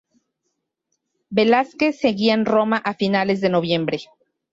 Velázquez seguía en Roma a finales de noviembre.